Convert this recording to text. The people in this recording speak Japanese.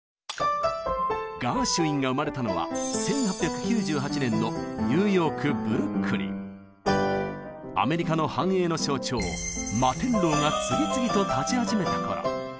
ガーシュウィンが生まれたのは１８９８年のアメリカの繁栄の象徴摩天楼が次々と建ち始めた頃。